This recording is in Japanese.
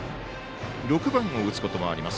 ６番を打つこともあります。